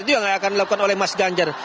itu yang akan dilakukan oleh mas ganjar